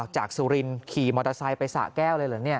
สุรินขี่มอเตอร์ไซค์ไปสะแก้วเลยเหรอเนี่ย